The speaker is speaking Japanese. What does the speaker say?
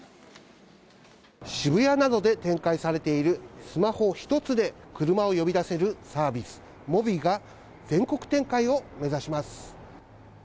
渋谷などで展開されているスマホ１つで車を呼び出せるサービス、モビが、全国展開を目指します。